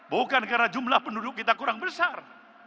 bukan karena jumlah penduduk kita kurang besar